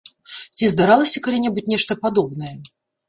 Ці здаралася калі-небудзь нешта падобнае?